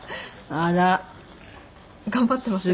あら。頑張っていますね。